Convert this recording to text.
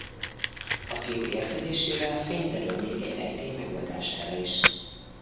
A fiú érkezésével fény derül még egy rejtély megoldására is.